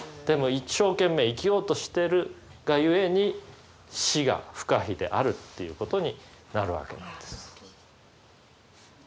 でも一生懸命生きようとしてるがゆえに死が不可避であるということになるわけなんです。